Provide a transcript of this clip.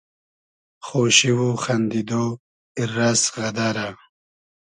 خوشی و خئندیدۉ , ایررئس غئدئرۂ